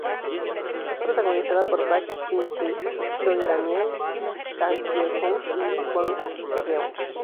Es protagonizada por Baek Jin-hee, Choi Daniel, Kang Hye-jung y Lee Won-keun.